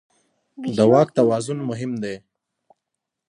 د واک توازن مهم دی.